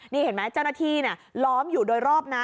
นี่เห็นไหมเจ้าหน้าที่ล้อมอยู่โดยรอบนะ